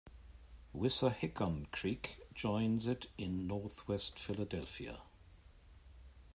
Wissahickon Creek joins it in northwest Philadelphia.